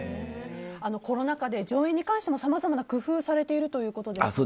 コロナ禍で上演に関してもさまざまな工夫をされているということで。